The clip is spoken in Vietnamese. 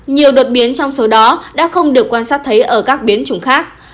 nhiều đột biến trong số đó đã không được quan sát thấy ở các biến chủng khác